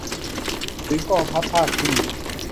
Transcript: ถึงกองทัพภาคที่